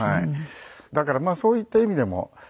だからまあそういった意味でも。